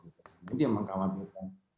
ini yang mengkhawatirkan